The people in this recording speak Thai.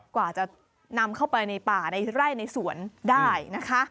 กว่าจะนำเข้าไปในป่าในไร่ในสวนได้นะคะ